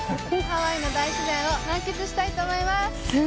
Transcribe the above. ハワイの大自然を満喫したいと思います。